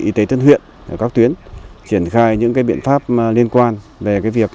y tế tân huyện các tuyến triển khai những biện pháp liên quan về việc